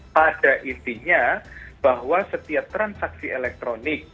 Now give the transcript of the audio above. pada intinya bahwa setiap transaksi elektronik